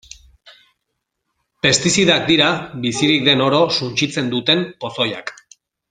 Pestizidak dira bizirik den oro suntsitzen duten pozoiak.